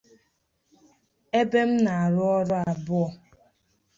ebe m na-arụ ọrụ abụọ